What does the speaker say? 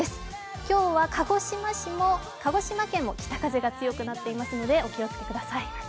今日は鹿児島県も北風が強くなっていますのでお気をつけください。